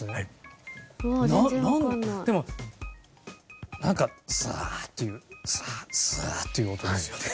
でもなんかサァーッというサァーッという音ですよね。